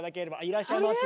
いらっしゃいます。